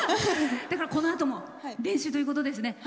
このあとも練習ということですね。